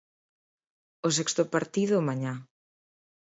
O sexto partido, mañá.